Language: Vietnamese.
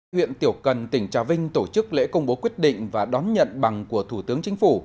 huyện tiểu cần tỉnh trà vinh tổ chức lễ công bố quyết định và đón nhận bằng của thủ tướng chính phủ